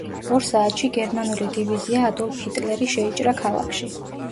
ორ საათში გერმანული დივიზია „ადოლფ ჰიტლერი“ შეიჭრა ქალაქში.